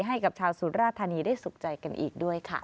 ให้กับชาวสุราธานีได้สุขใจกันอีกด้วยค่ะ